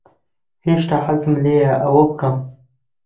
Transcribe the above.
هێشتا حەزم لێیە ئەوە بکەم.